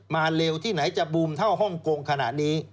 เร็วที่ไหนจะบูมเท่าฮ่องกงขนาดนี้